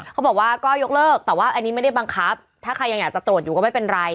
เขาบอกว่าก็ยกเลิกแต่ว่าอันนี้ไม่ได้บังคับถ้าใครยังอยากจะตรวจอยู่ก็ไม่เป็นไร